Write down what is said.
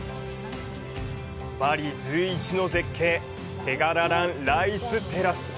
バリ随一の絶景テガララン・ライステラス。